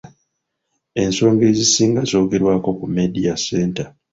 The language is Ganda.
Ensonga ezisinga zoogerwako ku Media Centre.